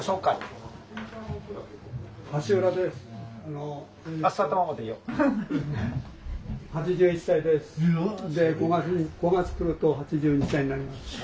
５月来ると８２歳になります。